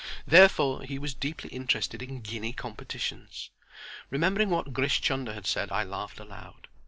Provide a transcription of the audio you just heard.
Therefore he was deeply interested in guinea competitions. Remembering what Grish Chunder had said I laughed aloud.